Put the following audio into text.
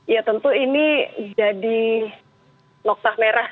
ya tentu ini jadi noktah merah